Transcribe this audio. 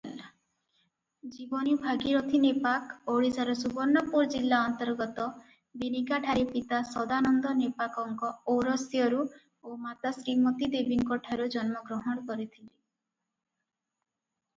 ଜୀବନୀ ଭାଗିରଥୀ ନେପାକ ଓଡ଼ିଶାର ସୁବର୍ଣ୍ଣପୁର ଜିଲ୍ଲା ଅନ୍ତର୍ଗତ ବିନିକାଠାରେ ପିତା ସଦାନନ୍ଦ ନେପାକଙ୍କ ଔରସ୍ୟରୁ ଓ ମାତା ଶ୍ରୀମତୀ ଦେବୀଙ୍କଠାରୁ ଜନ୍ମଗ୍ରହଣ କରିଥିଲେ ।